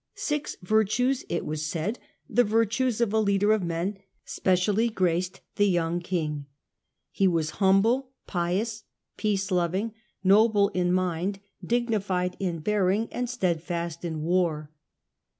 Six virtues, it was said, the virtues of a leader of men, specially graced the young king :— he was humble, pious, peace loving, noble in mind, dignified in bearing, and steadfast in war.